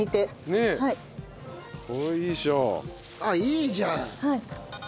あっいいじゃん！